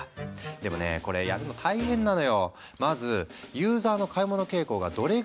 でもねこれやるの大変なのよ。